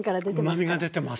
うまみが出てます。